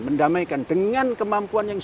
mendamaikan dengan kemampuan yang